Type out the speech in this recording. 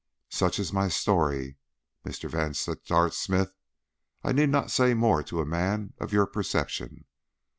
"Such is my story, Mr. Vansittart Smith. I need not say more to a man of your perception.